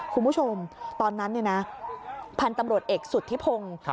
คุณผู้ชมตอนนั้นเนี่ยนะพันธุ์ตำรวจเอกสุธิพงศ์